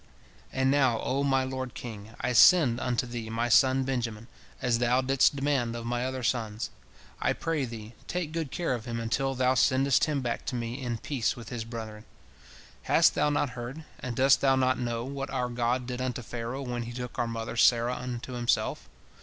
"And, now, O my lord king, I send unto thee my son Benjamin, as thou didst demand of my other sons. I pray thee, take good care of him until thou sendest him back to me in peace with his brethren. Hast thou not heard, and dost thou not know, what our God did unto Pharaoh when he took our mother Sarah unto himself?